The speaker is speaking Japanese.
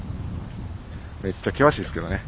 めっちゃ険しいですけどね。